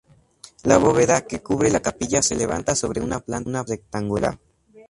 La bóveda que cubre la capilla se levanta sobre una planta rectangular.